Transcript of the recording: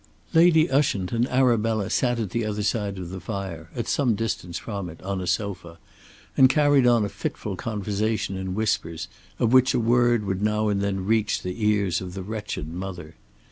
Lady Ushant and Arabella sat at the other side of the fire, at some distance from it, on a sofa, and carried on a fitful conversation in whispers, of which a word would now and then reach the ears of the wretched mother.